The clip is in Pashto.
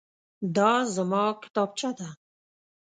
دا زما کتابچه ده.